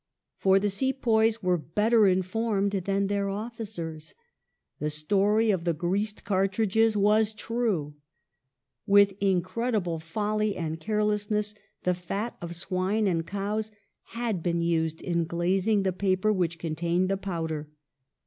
For the sepoys were better informed than their officers. The story of the greased cai* tridges was true. With incredible folly and carelessness the fat of swine and cows had been used in glazing the paper which contained the powder.